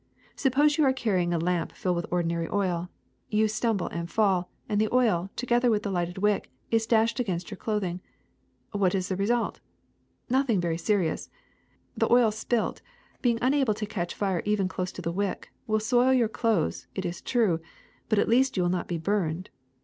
Suppose you are carrying a lamp filled with ordinary oil; you stumble and fall, and the oil, to gether with the lighted wick, is dashed against your clothing. What is the result? Nothing very seri ous. The oil spilt, being unable to catch fire even close to the wick, will soil your clothes, it is true, but at least you will not be burned.